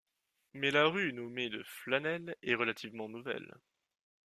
Mais la rue nommée de flanelle est relativement nouvelle.